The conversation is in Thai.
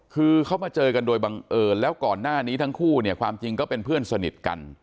คือเขามาเจอกันโดยบังเอิญแล้วก่อนหน้านี้ทั้งคู่เนี่ยความจริงก็เป็นเพื่อนสนิทกัน